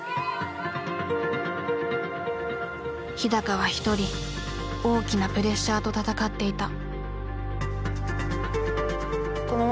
日は一人大きなプレッシャーと闘っていた。